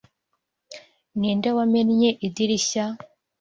Ninde wamennye idirishya?